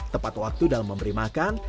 tepat waktu dalam memberi makan